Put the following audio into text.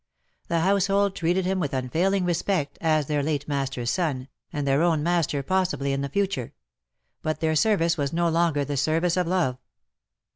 The household treated him with unfailing respect, as their late master^s son, and their own master, possibly, in the future ; but their service was no longer the service of love.